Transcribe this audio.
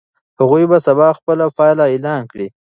هغوی به سبا خپله پایله اعلان کړي.